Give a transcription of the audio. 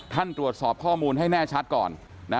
ตรวจสอบข้อมูลให้แน่ชัดก่อน